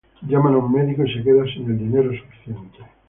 Llaman a un mecánico y se queda sin el dinero suficiente.